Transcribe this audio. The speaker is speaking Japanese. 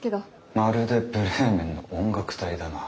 まるでブレーメンの音楽隊だな。